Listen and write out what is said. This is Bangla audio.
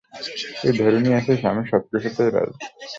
তুই ধরে নিয়েছিস আমি সবকিছুতেই রাজি।